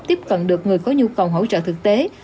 tiếp cận được người có nhu cầu hỗ trợ thực tế